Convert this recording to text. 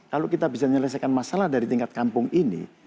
kalau kita bisa menyelesaikan masalah dari tingkat kampung ini